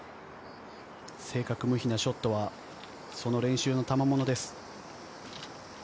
正確無比なショットは、練習のたまものです。